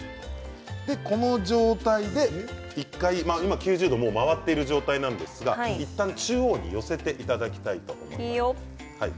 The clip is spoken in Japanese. １回９０度回っている状態なんですが１回、中央に寄せていただきたいと思います。